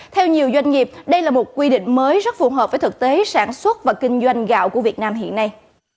theo nhiều doanh nghiệp đây là một quy định mới rất phù hợp với thực tế sản xuất và kinh doanh gạo của việt nam hiện nay